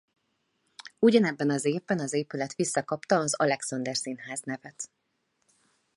Ugyanebben az évben az épület visszakapta az Alexander Színház nevet.